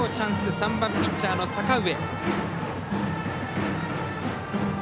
３番ピッチャーの阪上。